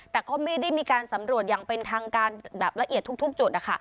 แต่ก็ไม่ได้มีการสำรวจอย่างเป็นทางการแบบละเอียดทุกจุดนะคะ